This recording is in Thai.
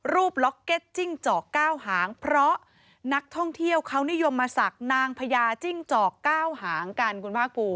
ล็อกเก็ตจิ้งจอกเก้าหางเพราะนักท่องเที่ยวเขานิยมมาศักดิ์นางพญาจิ้งจอก๙หางกันคุณภาคภูมิ